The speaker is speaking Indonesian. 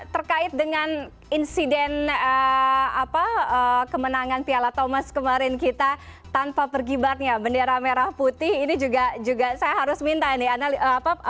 terkait dengan insiden kemenangan piala thomas kemarin kita tanpa pergibatnya bendera merah putih ini juga saya harus minta ini